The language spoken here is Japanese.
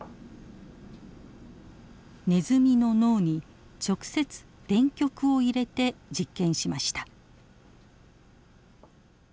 ネズミの脳に直接電極を入れて実験しました。